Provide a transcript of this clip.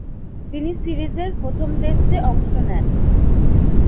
তিনি সিরিজের প্রথম টেস্টে অংশ নেন।